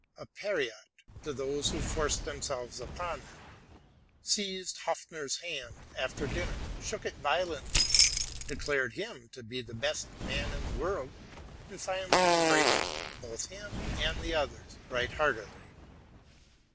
a pereat to those who forced themselves upon them, seized Hopfner's hand after dinner, shook it violently, declared him to be the best man in the world, and finally embraced both him and the others right heartily.